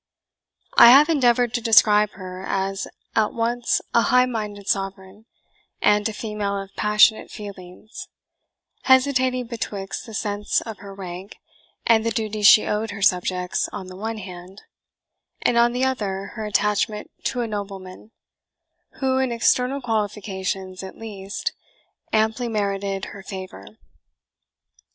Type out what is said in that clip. I have endeavoured to describe her as at once a high minded sovereign, and a female of passionate feelings, hesitating betwixt the sense of her rank and the duty she owed her subjects on the one hand, and on the other her attachment to a nobleman, who, in external qualifications at least, amply merited her favour.